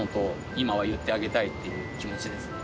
今は言ってあげたいっていう気持ちですね。